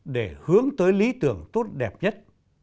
để hướng tới lý tưởng tốt đẹp nhất